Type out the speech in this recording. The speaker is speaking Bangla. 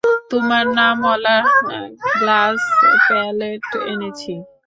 তোমার নামওয়ালা গ্লাস প্যালেট এনেছি।